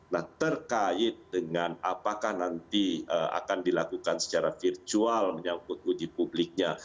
nah terkait dengan apakah nanti akan dilakukan secara virtual menyangkut uji publiknya